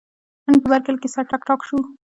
نن په برکلي کې سره ټکاټک شول.